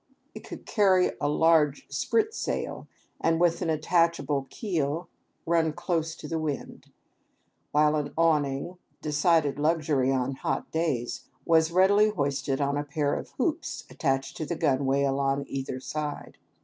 It could carry a large sprit sail, and, with an attachable keel, run close to the wind; while an awning, decided luxury on hot days, was readily hoisted on a pair of hoops attached to the gunwale on either side.